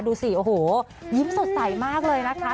ดูสิโอ้โหยิ้มสดใสมากเลยนะคะ